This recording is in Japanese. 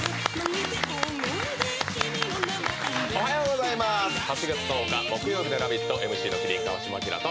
「おはようございます８月１０日木曜日の『ラヴィット！』ＭＣの『麒麟』・川島明と」